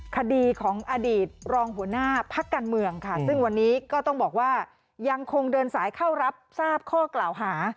คดีของอดีตรองหัวหน้าพักการเมืองค่ะซึ่งวันนี้ก็ต้องบอกว่ายังคงเดินสายเข้ารับทราบข้อกล่าวหา